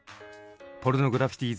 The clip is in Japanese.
ポルノグラフィティ